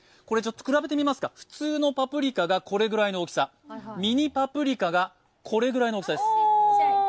比べてみました、普通のパプリカがこれぐらいの大きさ、ミニパプリカがこれくらいの大きさです。